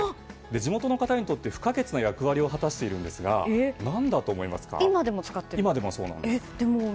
地元の方にとって不可欠な役割を果たしているんですが今でも使ってるんですね。